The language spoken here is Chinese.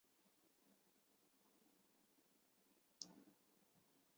同时奥罗莫语也是衣索比亚最多人使用的语言。